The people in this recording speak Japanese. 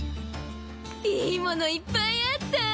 いいものいっぱいあった！